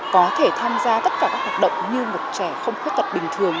có thể tham gia tất cả các hoạt động như một trẻ không khuyết tật bình thường